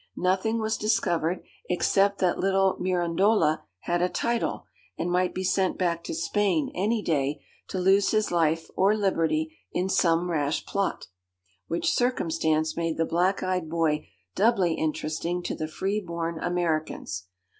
Nothing was discovered, except that little Mirandola had a title, and might be sent back to Spain any day to lose his life or liberty in some rash plot, which circumstance made the black eyed boy doubly interesting to the free born Americans.